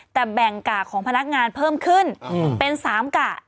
แต่แบ่งกะของพนักงานเพิ่มขึ้นเป็น๓กะ